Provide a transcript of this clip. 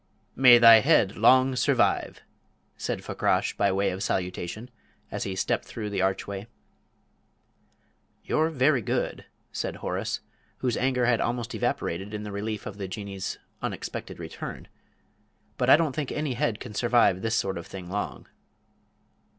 "May thy head long survive!" said Fakrash, by way of salutation, as he stepped through the archway. "You're very good," said Horace, whose anger had almost evaporated in the relief of the Jinnee's unexpected return, "but I don't think any head can survive this sort of thing long."